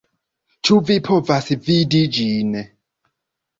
Ĉu vi povas vidi ĝin?